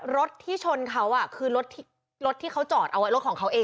รถที่ชนเขาคือรถที่เขาจอดเอาไว้รถของเขาเอง